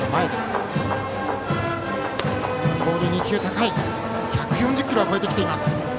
ボールは１４０キロを超えてきています。